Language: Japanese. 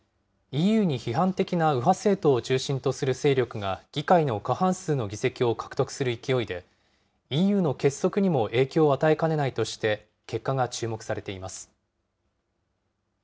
ＥＵに批判的な右派政党を中心とする勢力が議会の過半数の議席を獲得する勢いで、ＥＵの結束にも影響を与えかねないとして、結果が注目されています。